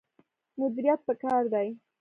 مدیریت پکار دی